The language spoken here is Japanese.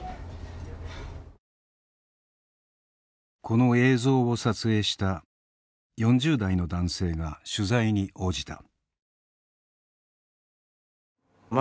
この映像を撮影した４０代の男性が取材に応じた。